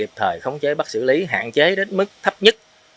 để kịp thời khống chế bắt xử lý hạn chế đến mức thấp nhất